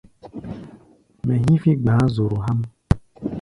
Mɛ hí̧fí̧ gbáá zoro há̧ʼm.